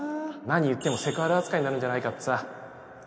何言ってもセクハラ扱いになるんじゃないかってさ